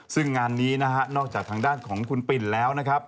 ซึ่งงานนี้นะฮะนอกจากทางด้านของคุณปิ่นแล้วนะครับ